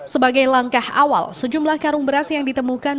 sebagai langkah awal sejumlah karung beras yang ditemukan